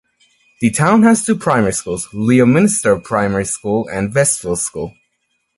The town has two primary schools; Leominster Primary School and Westfield's School.